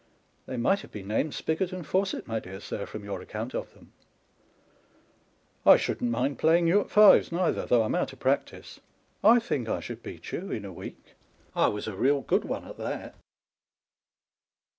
" They might have been named Spigot and Fawcett, my dear sir, from your account of them." " I should not mind playing you at fives neither, though I'm out of practice. I think I should beat you in a week : I was a real good one at that.